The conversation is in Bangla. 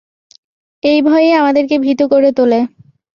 এই ভয়ই আমাদেরকে ভীতু করে তোলে।